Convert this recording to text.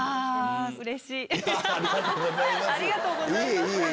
ありがとうございます。